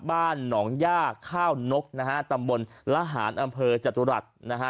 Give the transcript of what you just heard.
บ้านหนองย่าข้าวนกนะฮะตำบลละหารอำเภอจตุรัสนะฮะ